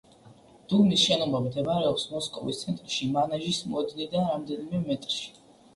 დუმის შენობა მდებარეობს მოსკოვის ცენტრში, მანეჟის მოედნიდან რამდენიმე მეტრში.